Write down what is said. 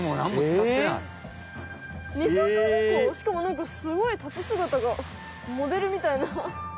しかもなんかすごい立ちすがたがモデルみたいな。